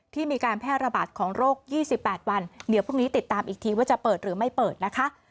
มีการแพร่ระบาดของโรค๒๘วันเดี๋ยวพรุ่งนี้ติดตามอีกทีว่าจะเปิดหรือไม่เปิดนะคะ